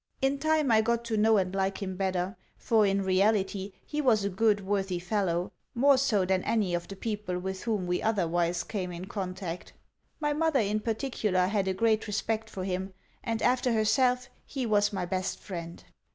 In time I got to know and like him better, for in reality he was a good, worthy fellow more so than any of the people with whom we otherwise came in contact. My mother in particular had a great respect for him, and, after herself, he was my best friend.